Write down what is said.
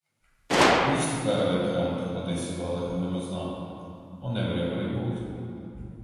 Īstu kara veterānu tur patiesībā laikam nemaz nav. Un nevar jau arī būt.